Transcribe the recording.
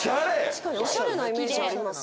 確かにおしゃれなイメージあります。